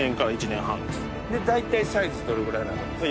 大体サイズどれぐらいになるんですか？